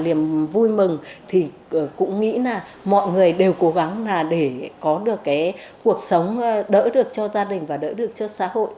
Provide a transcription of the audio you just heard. điểm vui mừng thì cũng nghĩ là mọi người đều cố gắng để có được cuộc sống đỡ được cho gia đình và đỡ được cho xã hội